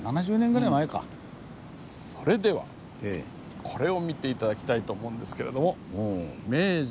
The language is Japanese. それではこれを見て頂きたいと思うんですけれども。